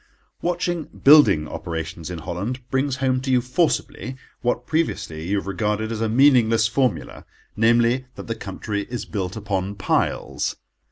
Watching building operations in Holland brings home to you forcibly, what previously you have regarded as a meaningless formula—namely, that the country is built upon piles.